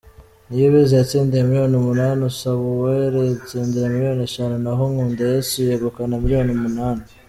Niyibizi yatsindiye miliyoni umunani, Usabuwera atsindira miliyoni eshanu naho Nkundayesu yegukana miliyoni umunani.